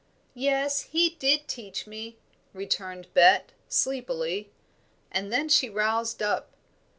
"Yes, he did teach me," returned Bet, sleepily; and then she roused up.